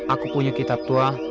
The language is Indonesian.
aku punya kitab tua